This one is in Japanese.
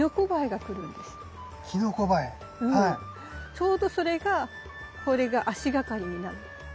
ちょうどそれがこれが足がかりになる花びらが。